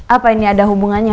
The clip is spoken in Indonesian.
apa ini ada hubungannya